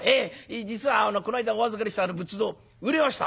実はこの間お預かりしたあの仏像売れました。